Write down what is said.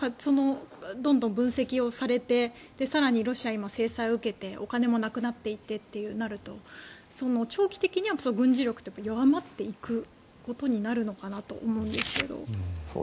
どんどん分析をされて更に、ロシアは今、制裁を受けてお金もなくなっていてとなると長期的には軍事力って弱まっていくことになるのかなと思うんですけど。